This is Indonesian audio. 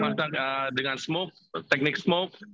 masak dengan smog teknik smog